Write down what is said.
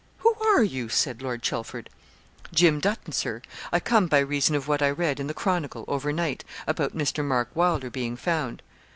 'Who are you?' said Lord Chelford. 'Jim Dutton, Sir; I come by reason of what I read in the "Chronicle" over night, about Mr. Mark Wylder being found.'